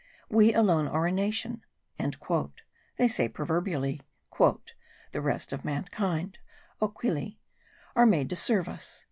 "We alone are a nation," say they proverbially; "the rest of mankind (oquili) are made to serve us."